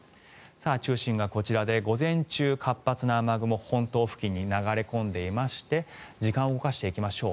中心がこちらで午前中、活発な雨雲本島付近に流れ込んでいまして時間を動かしていきましょう。